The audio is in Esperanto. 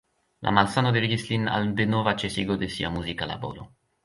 La malsano devigis lin al denova ĉesigo de sia muzika laboro.